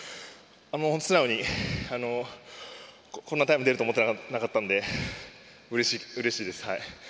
本当、素直にこんなタイム出ると思ってたなかったのでうれしいです。